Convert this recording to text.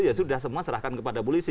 ya sudah semua serahkan kepada polisi